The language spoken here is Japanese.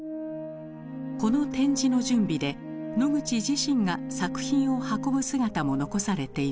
この展示の準備でノグチ自身が作品を運ぶ姿も残されています。